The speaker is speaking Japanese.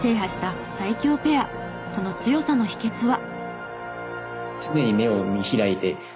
その強さの秘訣は。